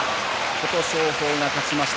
琴勝峰が勝ちました。